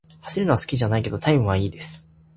走るのは好きじゃないけど、タイムは良いです。